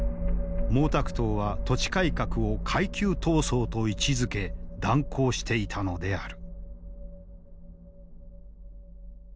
毛沢東は土地改革を階級闘争と位置づけ断行していたのである。